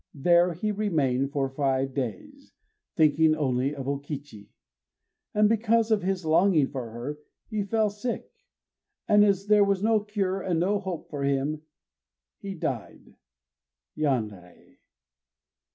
There he remained four or five days, thinking only of O Kichi. And because of his longing for her, he fell sick; and as there was no cure and no hope for him, he died. _Yanrei!